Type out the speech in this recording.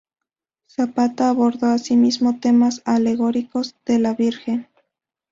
Zapata abordó asimismo temas alegóricos de la Virgen.